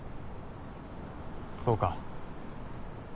そうか。